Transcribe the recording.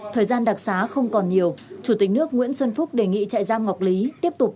thời gian đặc xá không còn nhiều chủ tịch nước nguyễn xuân phúc đề nghị trại giam ngọc lý tiếp tục